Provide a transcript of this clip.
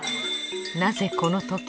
なぜこの時計